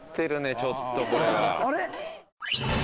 ちょっとこれはあれ？